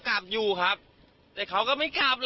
คำให้การในกอล์ฟนี่คือคำให้การในกอล์ฟนี่คือ